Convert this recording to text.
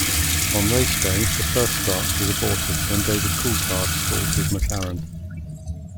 On race day, the first start was aborted when David Coulthard stalled his McLaren.